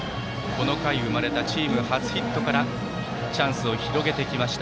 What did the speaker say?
この回生まれたチーム初ヒットからチャンスを広げてきました